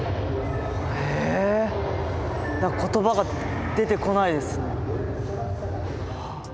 えっ言葉が出てこないです。